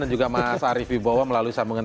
dan juga mas arief ibowa melalui sambungan